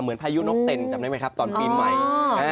พายุนกเต็นจำได้ไหมครับตอนปีใหม่